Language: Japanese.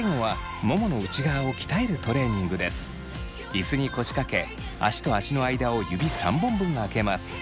椅子に腰掛け足と足の間を指３本分あけます。